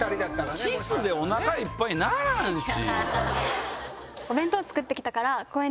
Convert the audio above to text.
キスでお腹いっぱいにならんし。